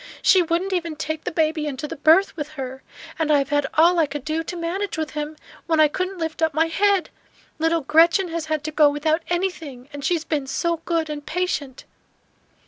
She wouldn't even take the baby into the berth with her; and I have had all I could do to manage with him, when I couldn't lift up my head. Little Gretchen has had to go without anything; and she has been so good and patient!"